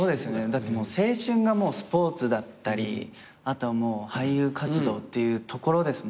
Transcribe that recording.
だって青春がもうスポーツだったりあとはもう俳優活動ってところですもんね。